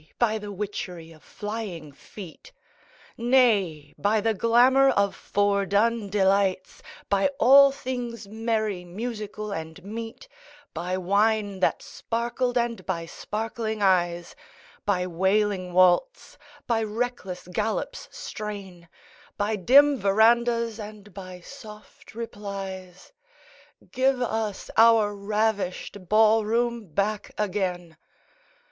by the witchery of flying feetâ Nay! by the glamour of foredone delightsâ By all things merry, musical, and meetâ By wine that sparkled, and by sparkling eyesâ By wailing waltzâby reckless gallop's strainâ By dim verandahs and by soft replies, Give us our ravished ball room back again!